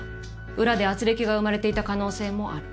裏で軋轢が生まれていた可能性もある。